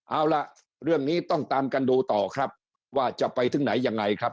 เอาล่ะเรื่องนี้ต้องตามกันดูต่อครับว่าจะไปถึงไหนยังไงครับ